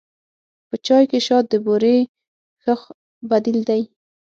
په چای کې شات د بوري ښه بدیل دی.